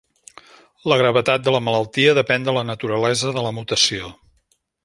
La gravetat de la malaltia depèn de la naturalesa de la mutació.